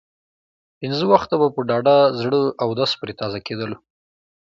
پنځه وخته به په ډاډه زړه اودس پرې تازه کېدلو.